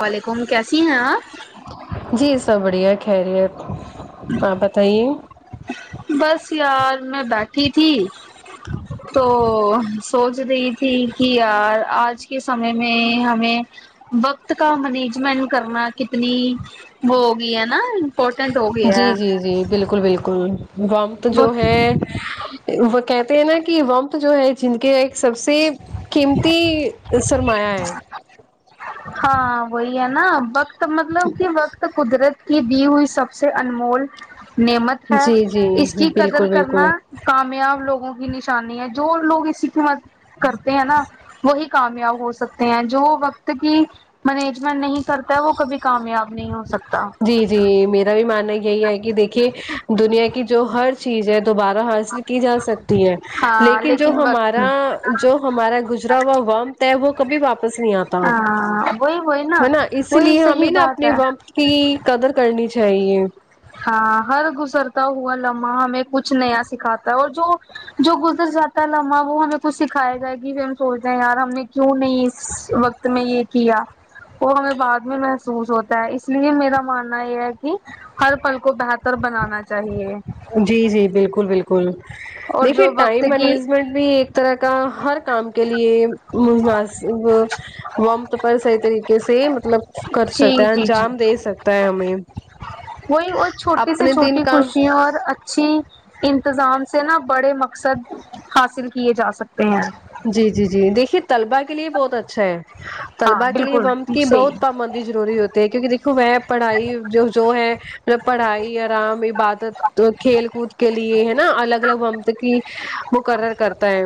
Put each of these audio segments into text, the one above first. وعلیکم کیسی ہیں آپ جی سب بڑھیا خیریت اور بتائیے بس یار میں بیٹھی تھی تو سوچ رہی تھی کہ یار آج کے سمے میں ہمیں وقت کا مینجمنٹ کرنا کتنی وہ ہوگی ہے نا امپورٹنٹ ہو گیا جی ہے جی جی بالکل بالکل وقت جو ہے وہ کہتے ہیں نا کہ وقت جو ہے جن کے ایک سب سے قیمتی سرمایہ ہے ہاں وہی ہے نا وقت مطلب کہ وقت قدرت کی دی ہوئی سب سے انمول نعمت ہے جی جی اس کی قدر بالکل کرنا بالکل کامیاب لوگوں کی نشانی ہے جو لوگ اسی کی مدد کرتے ہیں نا وہی کامیاب ہو سکتے ہیں جو وقت کی مینجمنٹ نہیں کرتا ہے وہ کبھی کامیاب نہیں ہو سکتا جی جی میرا ماننا یہی ہے کہ دیکھیے دنیا کی جو ہر چیز ہے دوبارہ حاصل کی جا سکتی ہے ہاں لیکن جو وقت ہمارا جو ہمارا گزرا ہوا وقت ہے وہ کبھی واپس نہیں آتا ہے ہاں وہی وہی نا اسی وہی لیے صحیح ہمیں نا بات اپنے ہے وقت کی قدر کرنی چاہیے ہاں ہر گزرتا ہوا لمحہ ہمیں کچھ نیا سکھاتا ہے اور جو جو گزر جاتا ہے لمحہ وہ ہمیں کچھ سکھایا جائے گی پھر ہم سوچتے ہیں یار ہم نے کیوں نہیں اس وقت تمہے یہ کیا وہ ہمیں بعد میں محسوس ہوتا ہے اس لیے میرا ماننا یہ ہے کہ ہر پھل کو بہتر بنانا چاہیے جی جی بالکل بالکل اور دیکھیے جو وقت ٹائم کی مینجمنٹ بھی ایک طرح کا ہر کام کے لے مناسب وقت پر صحیح طریقے سے مطلب کر جی سکتا ہے جی جی انجام دے سکتا ہے ہمیں وہی اور چھوٹی سی اپنے دن چھوٹی کا خوشیاں اور اچھی انتظام سے نا بڑے مقصد حاصل کیے جا سکتے ہیں جی جی جی دیکھیے طلبہ کے لیے بہت اچھا ہے ہاں طلبہ کے لیے بالکل وم کی صحیح بہت پابندی ضروری ہوتی تے کیونکہ دیکھو وہ پڑھائی جو جو ہے مطلب پڑھائی آرام عبادت تو کھیل کود کے لیے ہے نا الگ الگ وقت کی مقرر کرتا ہے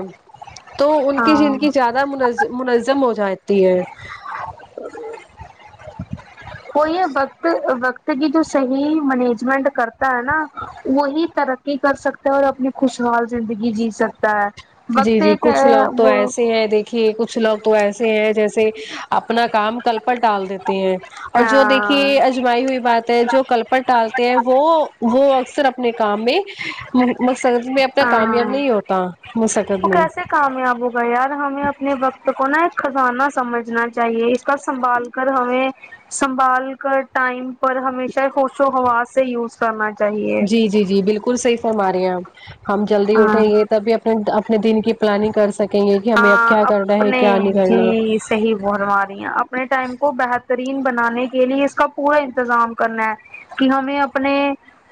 تو ان کی ہاں زندگی زیادہ من منظم ہو جاتی ہے وہ یہ وقت وقت کی جو صحیح مینجمنٹ کرتا ہے نا وہی ترقی کر سکتا ہے اور اپنی خوشحال زندگی جی سکتا ہے جی وقت جی ایک کچھ لوگ تو وہ ایسے ہیں دیک کہ کچھ لوگ تو ایسے ہیں جیسے اپنا کام کل پل ٹال دیتے ہیں اور جو دیکھیے اجمائی ہوئی بات جو کلپٹ ڈالتے ہیں وہ وہ اکثر اپنے کام میں مقصد میں اپنا کامیاب نہیں ہوتا مسقط وہ میں کیسے کامیاب ہو گئے یار ہمیں اپنے وقت کو نا ایک خزانہ سمجھنا چاہیے اس کا سنبھال کر ہمیں سنبھال کر ٹائم پر ہمیشہ ہی خش و ہواز سے یوز کرنا چی جی جی جی بالکل صحیح فرما رہے ہے آپ ہم جلدی ہاں اٹھیں گے تبھی اپنے اپنے دن کی پلاننگ کر سکیں گے کہ ہمیں اب ہاں کیا کرنا ہے اپنے کیا نہیں کرنا جی صحیح فرما رہے ہیں آپ اپنے ٹائم کو بہترین بنانے کے لیے اس کا پورا انتظام کرنا ہے کہ ہمیں اپنے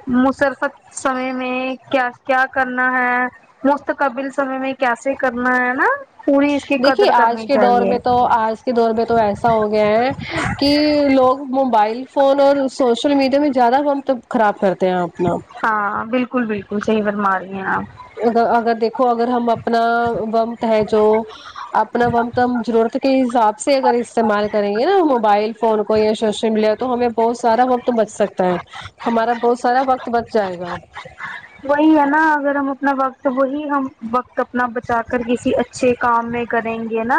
مسرفت سمے میں کیا کیا کرنا ہے مستقبل سمے میں کیسے کرنا ہے نا پوری اس کی دیکھیے قدر آج کرنی کے دور چاہیے میں تو آج دور تو ایسا ہو گیا ہے کہ لوگ موبائل فون اور سوشل میڈیا میں زیادہ پمپ مطلب خراب کرتے ہیں اپنا ہاں بالکل بالکل صحیح فرماریی ہیں آپ اگر اگر دیکھو اگر ہم اپنا ومت ہے جو اپنا وم کم ضرورت کے حساب سے اگر استعمال کریں گے نا موبائل فون کو یا سوشم لیا تو ہمیں بہت سارا بچ سکتا ہے ہمارا بہت سارا وقت بچ جائے گا وہی ہے نا اگر ہم اپنا وقت وہی ہم وقت اپنا بچا کر کسی اچھے اچھے کام میں کریں گے نا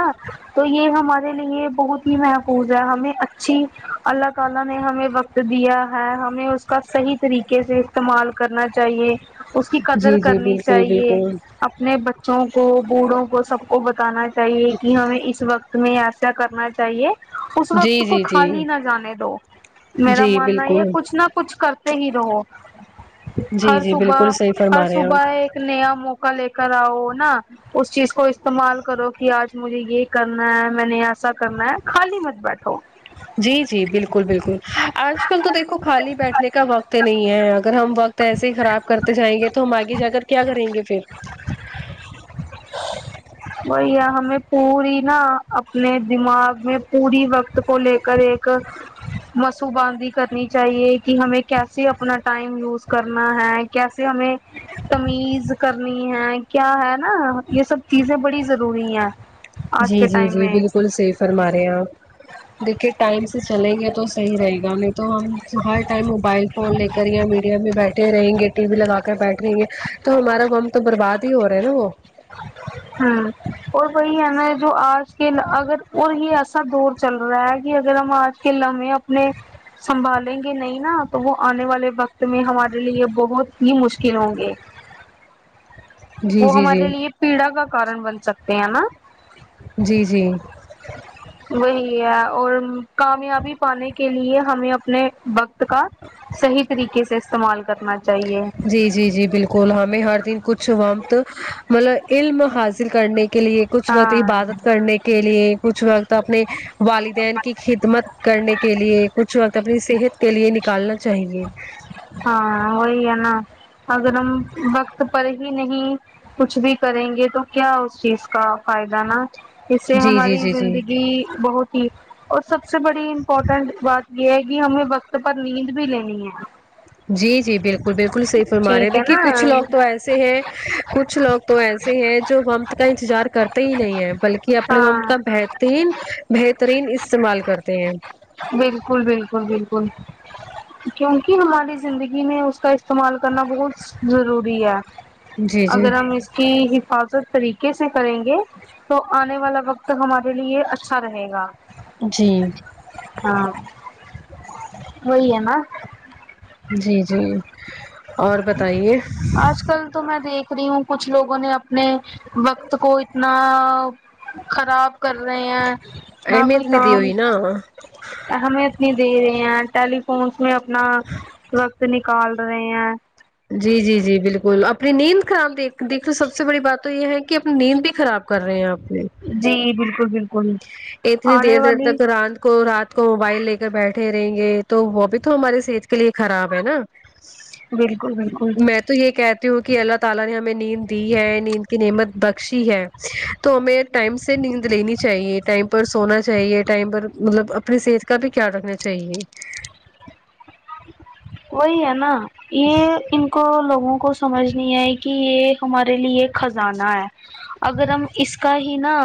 تو یہ ہمارے لیے بہت ہی محفوظ ہے ہمیں اچھی اللہ تعالی نے ہمیں وقت دیا ہے ہمیں اس کا صحیح طریقے سے استعمال کرنا چاہیے اس کی قدر جی جی کرنی بالکل چاہیے بالکل اپنے بچوں کو بوڑھوں کو سب کو بتانا چاہیے کہ ہمیں اس وقت تمہیں ایسا کرنا چاہیے اس جی وقت کو جی جی خالی نہ جانے دو میرا جی ماننا یہ بالکل کچھ نہ کچھ کر صحیح رہو جی ہر جی صبح بالکل صحیح ہر فرما رہے ہیں آپ صبح ایک نیا موقع لے کر آؤ نا اس چیز کو استعمال کرو کہ آج مجھے یہ کرنا ہے میں نے ایسا کرنا ہے خالی مت بیٹھو جی جی بالکل بالکل آج کل تو دیکھو خالی بیٹھنے کا وقت نہیں ہے اگر ہم وقت ایسے ہی خراب کرتے جائیں گے تو ہم آگے جا کر کیا کریں گے پھر وہ یہ ہمیں پوری نا اپنے دماغ میں پوری وقت کو لے کر ایک مسو بندی کرنی چاہیے کہ ہمیں کیسے اپنا ٹائم یوز کرنا ہے کیسے ہمیں تمیز کرنی ہے کیا ہے نا یہ سب چیزیں بڑی ضروری ہیں آج جی کے جی ٹائم جی میں بالکل صحیح فرمارے آپ دیکھیے ٹائم سے چلیں گے تو صحیح رہے گا تو ہم ہر ٹائم موبائل فون لے کر یا میڈیا میں بیٹھے رہیں گے ٹی وی لگا کر بیٹھ رہیں گے تو ہمارا بغم تو برباد ہی ہو رہا ہے نا وہ ہاں اور وہی ہے نا جو آج کے اگر اور وہی ایسا دور چل رہا ہے کہ اگر ہم آج کے لمحے اپنے سنبھالیں گے نہیں نا تو وہ آنے والے وقت میں ہمارے لیے بہت ہی مشکل ہوں گے جی وہ جی جی ہمارے لیے پیڑا کا کارن بن سکتے ہیں نا جی جی وہی ہے اور کامیابی پانے کے لیے ہمیں اپنے وقت کا صحیح طریقے سے استعمال کرنا چاہیے جی جی جی بالکل ہم ہر دن کچھ وقت مطلب علم حاصل حاصل کرنے کے لیے کچھ وقت ہاں عبادت کرنے کے لیے کچھ وقت اپنے والدین کی خدمت کرنے کے لیے کچھ وقت اپنی صحت کے لیے نکالنا چاہیے ہاں وہی ہے نا اگر ہم وقت پر ہی نہیں کچھ بھی کریں گے تو کیا اس چیز کا فائدہ نا اس سے جی جی ہماری جی جی زندگی بہت ج اور سب سے بڑی امپورٹینٹ بات یہ ہے کہ ہمیں وقت پر نیند بھی لینی ہے جی جی بالکل بالکل صحیح فرما رہے ٹھیک ہے دیکھیے نا کچھ لوگ تو ایسے ہیں کچھ لوگ تو ایسے ہیں جو وقت کا انتظار کر کرتے ہی نہیں ہے بلکہ اپنے وقت ہاں کا بہترین بہترین استعمال کرتے ہیں بالکل بالکل بالکل کیونکہ ہماری زندگی میں اس کا استعمال کرنا بہت ضروری ہے جی جی اگر ہم اس کی حفاظت طریقے سے کریں گے تو آنے والا وقت ہمارے لیے اچھا رہے گا جی ہاں وہی ہے نہ جی جی اور بتائیے آج کل تو میں دیکھ رہی ہوں کچھ لوگوں نے اپنے وقت کو اتنا خراب کر رہے ہیں نہ کوئی اہمیت نہیں دی کام ہوئی نا ہمیں اتنی دے رہے ہیں ٹیلیفونس میں اپنا وقت نکال رہے ہیں جی جی جی بالکل اپنی نیند خراب د دیک دیک سب سے بڑی بات تو یہ ہے کہ اپنی نیند بھی خراب کر رہے ہیں اپنے جی بالکل بالکل اتنی آنے دیر دیر والی تک رات کو رات کو موبائل لے کر بیٹھے رہیں گے تو وہ بھی تو ہماری صحت کے لیے خراب ہے نا بالکل بالکل میں تو یہ کہتی ہوں کہ اللہ تعالی نے ہمیں نیند دی ہے نیند کی نعمت بخشی ہے تو ہمیں ٹائم سے نیند لے نی چاہیے ٹائم پر سونا چاہیے ٹائم پر مطلب اپنی صحت کا بھی خیال رکھنا چاہیے وہی ہے نا یہ ان کو لوگوں کو سمجھنی ہے کہ یہ ہمارے لیے خزانہ ہے اگر ہم اس کا ہی نا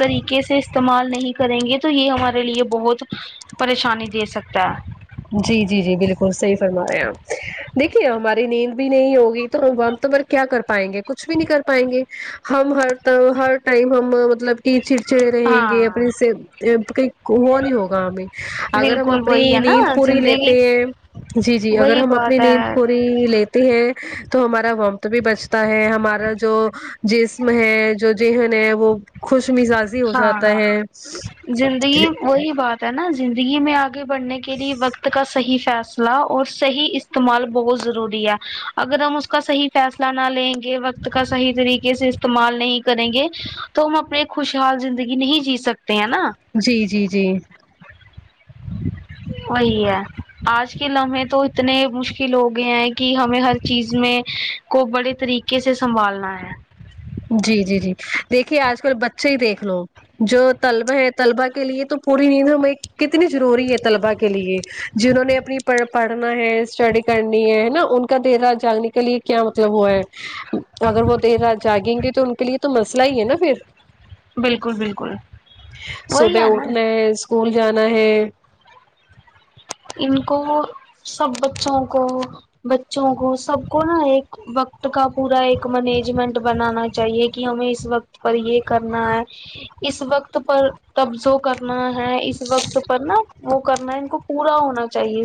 طریقے سے استعمال نہیں کریں گے تو یہ ہمارے لیے بہت پریشانی دے سکتا ہے جی جی جی بالکل صحیح فرمارے آپ دیکھیے ہماری نیند بھی نہیں ہوگی تو ہم تو کیا کر پائیں گے کچھ بھی نہیں کر پائیں گے ہم ہر طر ہر ٹائم ہم مطلب کی چیز چے رہیں گے ہاں اپنے سے اب کے وہ نہیں ہوگا ہمیں اگر ہم بالکل وہی اپنی ہے نا نیند فری زندگی لیتے ہیں جی جی اگر وہی ہم اپنی بات ہے نیند پوری لیتی ہے تو ہمارا وقت بھی بچتا ہے ہمارا جو جسم ہے جو ذہن ہے وہ خوش مزاج ہاں زندگی وہی بات نا زندگی میں آگے بڑھنے کے لیے وقت کا صحیح فیصلہ اور صحیح استعمال بہت ضروری ہے اگر ہم اس کا صحیح فیصلہ نہ لیں گے وقت کا صحیح طریقے سے استعمال نہیں کریں گے تو ہم اپنے خوشحال زندگی نہیں جی سکتے ہیں نا جی جی جی وہی ہے آج ک لمحے تو اتنے مشکل ہو گئے ہیں کہ ہمیں ہر چیز میں کو بڑے طریقے سے سنبھالنا ہے جی جی جی دیکھیے آج کل بچے ہی دیکھ لو جو طلبہ ہے طلبا کے لیے تو پوری نیند ہم کتنی ضروری ہے طلبا کے لیے جنہوں نے اپنی پڑھنا ہے اسٹڈی کرنی ہے نا ان کو کا دیر رات جاگنے کے لیے کیا مطلب ہوا ہے اگر وہ دیر رات جاگیں گے تو ان کے لیے تو مسئلہ ہی ہے نا پھر بالکل بالکل وہی صبح ہے نا اٹھنا ہے اسکول جانا ہے ان کو سب بچوں کو بچوں کو سب کو نا ایک وقت کا پورا ایک مینجمنٹ بنانا چاہیے کہ ہمیں اس وقت پر یہ کرنا ہے اس وقت پر تبزو کرنا ہے اس وقت پر نا وہ کرنا ہے ان کو پورا ہونا چاہیے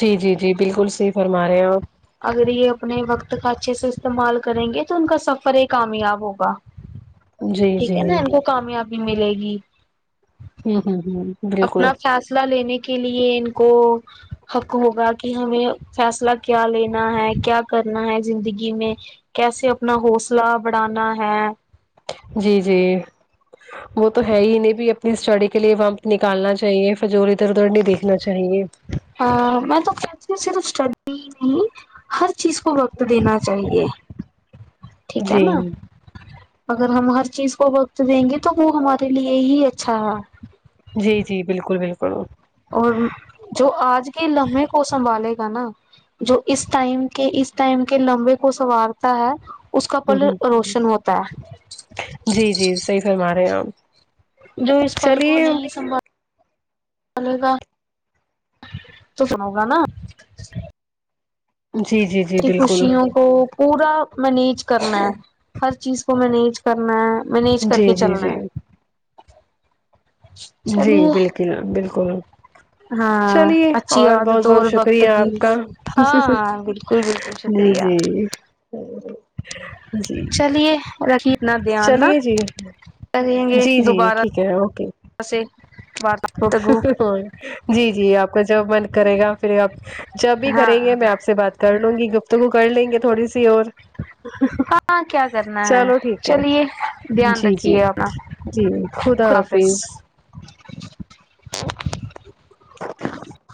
جی جی جی بالکل صحیح فرما رہے ہیں آپ اگر یہ اپنے وقت کا اچھے سے استعمال کریں گے تو ان کا سفر ہی کامیاب ہوگا جی ٹھیک جی ہے نا ہوں ان کو کامیابی ملے گی ہوں ہوں ہوں بالکل اپنا فیصلہ لینے کے لیے ان کو حق ہوگا کہ ہمیں فیصلہ کیا لینا ہے کیا کرنا ہے زندگی میں کیسے اپنا حوصلہ بڑھانا ہے جی جی وہ تو ہے انھ بھی اپنی اسٹڈی کے لیے وقت نکالنا چاہیے کے جو اور ادھر ادھر نہیں دیکھنا چاہیے ہاں میں توکہتی ہوں صرف اسٹڈی ہی نہیں ہر چیز کو وقت دینا چاہیے ٹھیک ہے جی نا اگر ہم ہر چیز کو وقت دیں گے تو وہ ہمارے لیے ہی اچھا ہے جی جی بالکل بالکل اور جو آج کے لمحے کو سنبھالے گا نا جو اس ٹائم کے اس ٹائم کے لمبے کو سوارتا ہے اس کا پل ہ روشن ہوتا ہے جی جی صحیح فرما رہے ہیں آپ جو اس پل کو چلیے نہیں سنبھال تو سنو گا نا جی جی جی کی بالکل خوشیوں کو پورا مینج کرنا ہے ہر چیز کو مینج کرنا ہے مینج کر جی کے جی چلنا جی ہے جی چلیے بالکل بالکل ہاں چلیے اچھی اور یاد ہے بہت بہت توور وقت شکریہ کی آپ کا ہاں ہاں بالکل بالکل بالکل جی شکریہ جی جی چلیے رکھیے نہ دھیان نہ چلیے جی کریں گے جی جی دوبارہ ٹھیک ہے اوکے سے گفتگو جی جی آپ کا جب من کرے گا پھر آپ جب بھی ہاں کریں گے میں ہاں آپ سے بات کر لوں گی گفتگو کر لیں گے تھوڑی سی اور ہاں، کیا کرنا ہے چلو ٹھیک ہے چلیے دھیان جی جی رکھیے اپنا جی خدا حافظ [inaudible]